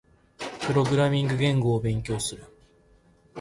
プログラミング言語を勉強する。